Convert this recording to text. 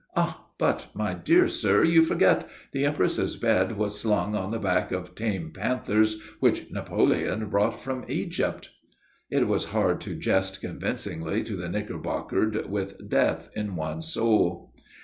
"Ah, but, my dear sir, you forget. The Empress's bed was slung on the back of tame panthers which Napoleon brought from Egypt." It was hard to jest convincingly to the knickerbockered with death in one's soul.